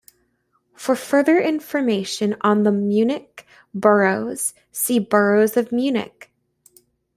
"For further information on the Munich boroughs, see:" Boroughs of Munich.